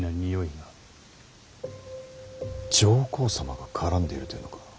上皇様が絡んでいるというのか。